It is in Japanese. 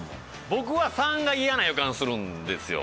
僕は３がイヤな予感するんですよ。